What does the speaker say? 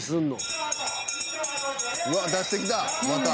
うわっ出してきた！